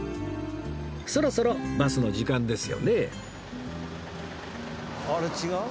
そろそろバスの時間ですよね